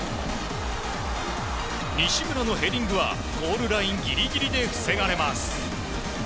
西村のヘディングはゴールラインギリギリで防がれます。